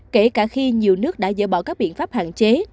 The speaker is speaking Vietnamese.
kể cả khi nhiều nước đã dỡ bỏ các biện pháp hạn chế